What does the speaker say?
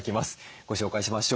ご紹介しましょう。